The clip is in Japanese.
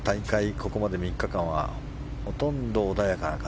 ここまで３日間はほとんど穏やかな風。